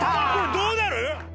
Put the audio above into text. どうなる？